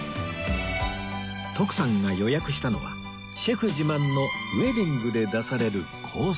徳さんが予約したのはシェフ自慢のウェディングで出されるコース